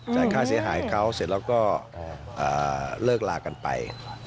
ค่าเสียหายเขาเสร็จแล้วก็เลิกลากันไป